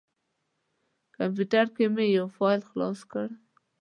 کمپیوټر کې مې یو فایل خلاص کړ.